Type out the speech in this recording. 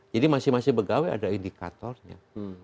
jadi masing masing pegawai ada indikatornya